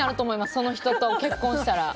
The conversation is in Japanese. その人と結婚したら。